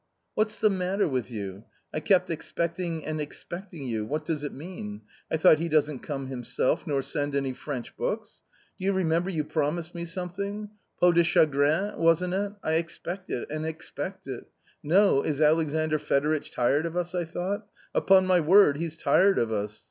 " What's the matter with you ? I kept expecting and expecting you ; what does it mean ? I thought ; he doesn't come himself, nor send any French books? Do you re member, you promised me something :* Peau de Chagrin, 7 wasn't it ? I expect it and expect it. No ! is Alexandr Fedoritch tired of us, I thought ; upon my word, he's tired of us."